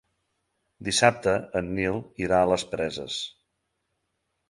Dissabte en Nil irà a les Preses.